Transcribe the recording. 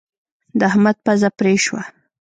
د احمد پزه پرې شوه.